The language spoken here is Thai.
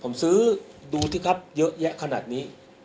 ผมซื้อดูสิครับเยอะแยะขนาดนี้